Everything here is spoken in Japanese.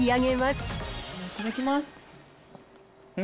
いただきます。